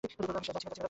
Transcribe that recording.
আমি যাচ্ছি না।